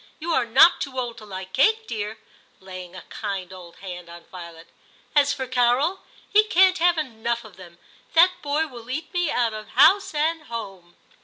You are not too old to like cake, dear,' laying a kind old hand on Violet. * As for Carol, he can't have enough of them ; that boy will eat me out of house and home.